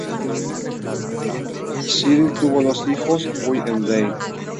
Cyril tuvo dos hijos, Guy and Dan.